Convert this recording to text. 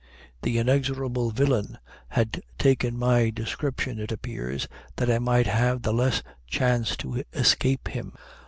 The inexorable villain had taken my description, it appears, that I might have the less chance to escape him.